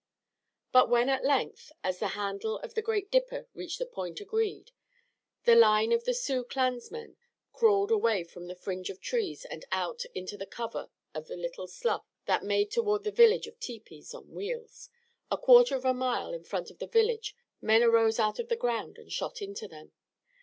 But when at length, as the handle of the Great Dipper reached the point agreed, the line of the Sioux clansmen crawled away from the fringe of trees and out into the cover of a little slough that made toward the village of tepees on wheels, a quarter of a mile in front of the village men arose out of the ground and shot into them.